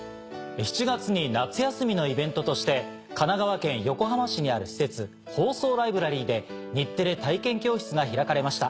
７月に夏休みのイベントとして神奈川県横浜市にある施設放送ライブラリーで「日テレ体験教室」が開かれました。